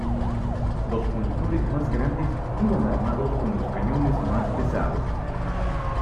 Los monitores más grandes iban armados con los cañones más pesados.